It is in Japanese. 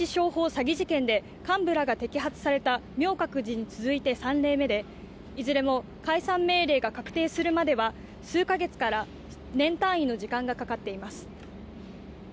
詐欺事件で幹部らが摘発された明覚寺に続いて３例目でいずれも解散命令が確定するまでは数か月から年単位の時間がかかっています